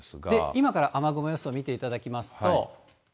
今から雨雲予想見ていただきますと。